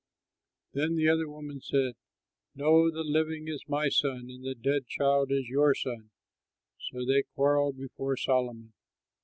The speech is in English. Then the other woman said, "No; the living is my son, and the dead child is your son." So they quarrelled before Solomon.